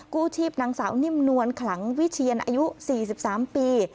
กู้ชีพนางสาวนิ่มนวลขลังวิเชียรอายุสี่สิบสามปี